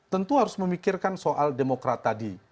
tentu harus memikirkan soal demokrat tadi